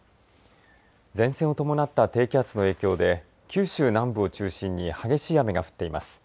前線を伴った低気圧の影響で九州南部を中心に激しい雨が降っています。